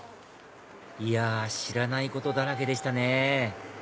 いや知らないことだらけでしたね